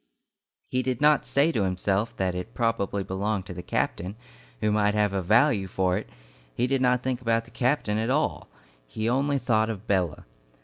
He did not say to himself that it probably belonged to the captain, who might have a value for it, he did not think about the captain at all, he only thought of Bella.